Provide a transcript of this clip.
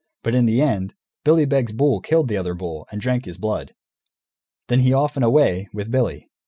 But in the end, Billy Beg's bull killed the other bull, and drank his blood. Then he off and away, with Billy.